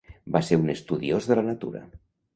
Va ser un estudiós de la natura.